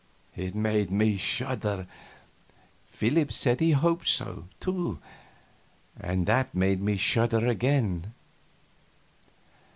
It made me shudder. Philip said he hoped so, too; and that made me shudder again.